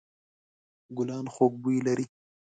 ګلان خوږ بوی لري.